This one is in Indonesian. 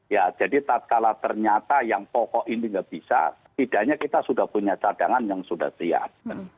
ya jadi tak kalah ternyata yang pokok ini nggak bisa setidaknya kita sudah punya cadangan yang sudah siap